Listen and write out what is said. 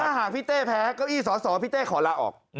ถ้าหากพี่เต้แพ้เก้าอี้สอสอพี่เต้ขอลาออก